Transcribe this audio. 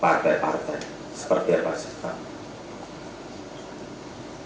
partai partai seperti apa saja